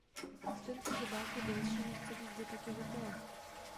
Tento zobák je delší než celý zbytek jeho těla.